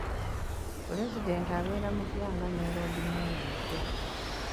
Pulezidenti abeere mupya nga ne Loodimmeeya mupya.